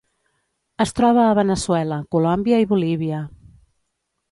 Es troba a Veneçuela, Colòmbia i Bolívia.